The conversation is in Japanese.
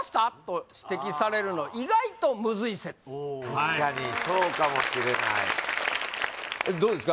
確かにそうかもしれないどうですか？